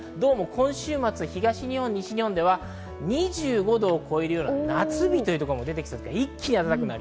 今週末、東日本、西日本では２５度を超えるような夏日というところも出てきそうです。